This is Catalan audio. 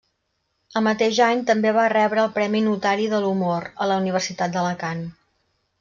El mateix any també va rebre el Premi Notari de l'Humor, a la Universitat d'Alacant.